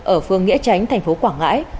ở phường nghĩa tránh thành phố quảng ngãi